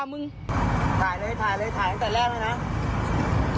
มึงหยิบคอกู